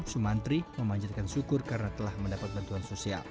sumantri memanjatkan syukur karena telah mendapat bantuan sosial